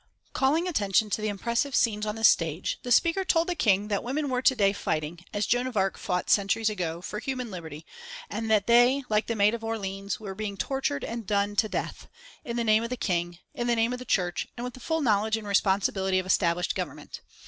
Calling attention to the impressive scenes on the stage, the speaker told the King that women were to day fighting, as Joan of Arc fought centuries ago, for human liberty, and that they, like the maid of Orleans, were being tortured and done to death, in the name of the King, in the name of the Church, and with the full knowledge and responsibility of established Government.